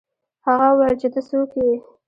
هغه وویل چې ته څوک یې.